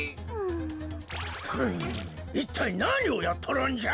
いったいなにをやっとるんじゃ！